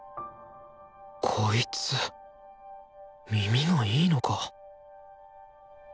こいつ耳がいいのか？